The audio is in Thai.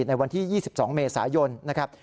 ในวันที่๒๒เมษายนนะครับ